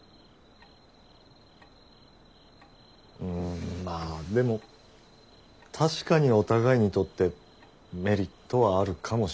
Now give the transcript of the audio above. うんまあでも確かにお互いにとってメリットはあるかもしれませんね。